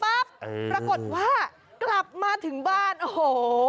ปรากฏว่ากลับมาถึงบ้านโอ้โห